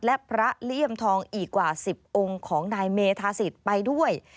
และพระเลี่ยมทองอีกกว่า๑๐องค์ของนายเมธาศิษย์ไปด้วย